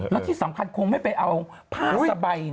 แล้วที่สำคัญคงไม่ไปเอาผ้าสบาย